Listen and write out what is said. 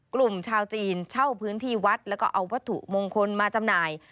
กลุ่มชาวจีนเช่าพื้นที่วัดแล้วก็เอาวัตถุมงคลมาจำหน่าย